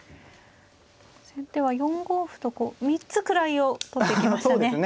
先手は４五歩とこう３つ位を取っていきましたね。